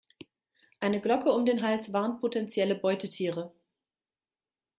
Eine Glocke um den Hals warnt potenzielle Beutetiere.